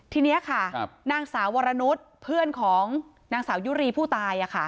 ทีเนี้ยค่ะครับนางสาววรนุษย์เพื่อนของนางสาวยุรีย์ผู้ตายอะค่ะ